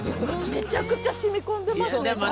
めちゃくちゃ染み込んでますね。